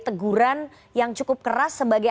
teguran yang cukup keras sebagai